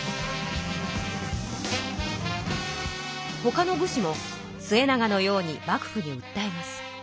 ほかの武士も季長のように幕府にうったえます。